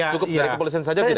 cukup dari kepolisian saja bisa